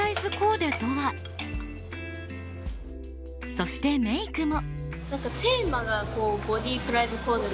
そしてメイクも。